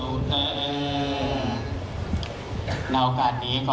ยกสุขิติคายุโภหมาภาวสัพเพธิโย